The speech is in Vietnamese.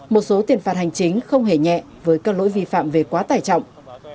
một số tiền phạt hành chính không hề nhẹ với các lỗi vi phạm về quá tải trọng